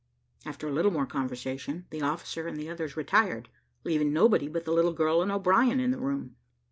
After a little more conversation, the officer and the others retired, leaving nobody but the little girl and O'Brien in the room.